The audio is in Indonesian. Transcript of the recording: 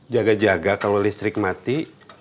jaga jaga kalau listrik mati